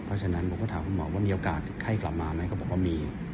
เพราะฉะนั้นผมก็ถามคุณหมอว่ามีโอกาสไข้กลับมาไหม